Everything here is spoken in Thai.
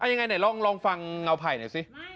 ยังไงไหนลองฟังเงาไผ่หน่อยสิ